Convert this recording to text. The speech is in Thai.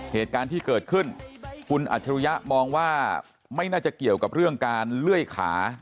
เหตุการณ์ที่เกิดขึ้นคุณอัจฉริยะมองว่าไม่น่าจะเกี่ยวกับเรื่องการเลื่อยขา